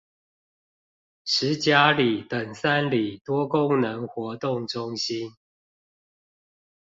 十甲里等三里多功能活動中心